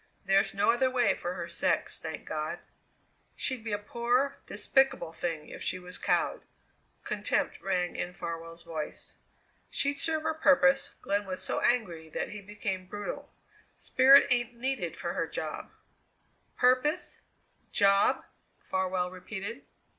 There's no other way for her sex, thank God!" "She'd be a poor, despicable thing if she was cowed." Contempt rang in Farwell's voice. "She'd serve her purpose." Glenn was so angry that he became brutal. "Spirit ain't needed for her job." "Purpose? Job?" Farwell repeated.